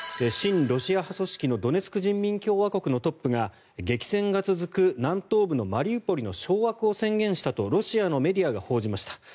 親ロシア派組織のドネツク人民共和国のトップが激戦が続く南東部のマリウポリの掌握を宣言したとロシアのメディアが報じました。